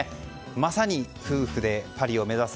まさに夫婦でパリを目指す。